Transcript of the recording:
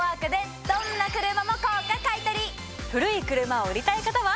古い車を売りたい方は。